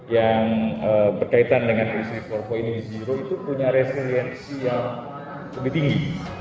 yang berkaitan dengan industri empat itu punya resiliensi yang lebih tinggi